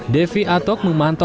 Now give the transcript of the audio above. devi atok memantau